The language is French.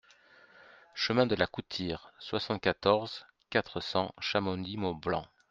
Chemin de la Coutire, soixante-quatorze, quatre cents Chamonix-Mont-Blanc